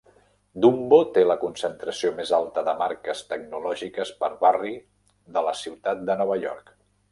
Dumbo té la concentració més alta de marques tecnològiques per barri de la ciutat de Nova York.